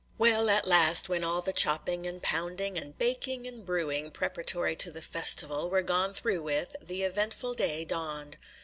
Well, at last, when all the chopping and pounding and baking and brewing, preparatory to the festival, were gone through with, the eventful day dawned.